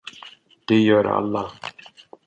Det gör alla.